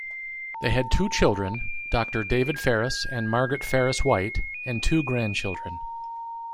They had two children, Doctor David Ferriss and Margaret Ferriss White, and two grandchildren.